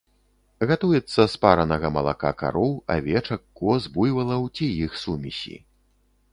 Гатуецца з паранага малака кароў, авечак, коз, буйвалаў ці іх сумесі.